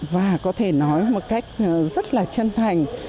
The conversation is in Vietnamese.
và có thể nói một cách rất là chân thành